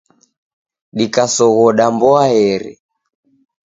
Dikasoghoda mboaeri.